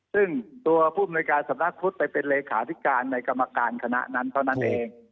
ซึ่งตัวผู้อำนวยการสำนักพุทธไปเป็นเลขาธิการในกรรมการคณะนั้นเท่านั้นเอง